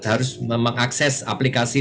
harus mengakses aplikasi